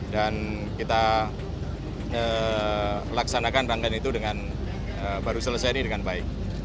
dan kita laksanakan rangkaian itu baru selesai ini dengan baik